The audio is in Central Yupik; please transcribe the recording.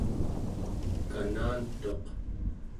kana'antuq